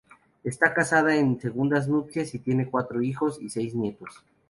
Está casada en segundas nupcias y tiene cuatro hijos y seis nietos.